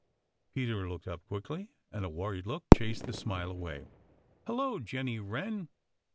Peter looked up quickly, and a worried look chased the smile away. "Hello, Jenny Wren!